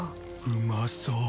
うまそう